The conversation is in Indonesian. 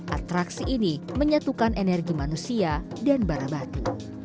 atraksi ini menyatukan energi manusia dan barabati